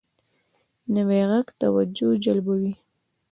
نوی غږ توجه جلبوي